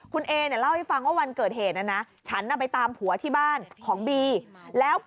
คุณเอเนี่ยเล่าให้ฟังว่าวันเกิดเหตุนะนะฉันน่ะไปตามผัวที่บ้านของบีแล้ว